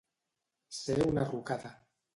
Ser una rucada.